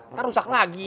ntar rusak lagi